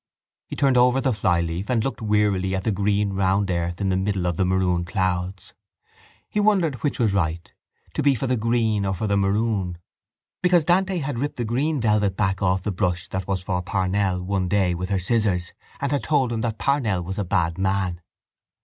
He turned over the flyleaf and looked wearily at the green round earth in the middle of the maroon clouds. He wondered which was right, to be for the green or for the maroon, because Dante had ripped the green velvet back off the brush that was for Parnell one day with her scissors and had told him that Parnell was a bad man.